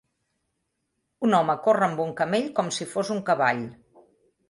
Un home corre amb un camell com si fos un cavall.